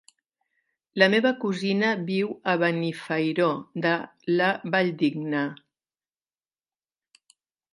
La meva cosina viu a Benifairó de la Valldigna.